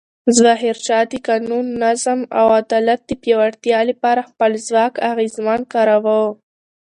ظاهرشاه د قانون، نظم او عدالت د پیاوړتیا لپاره خپل ځواک اغېزمن کاراوه.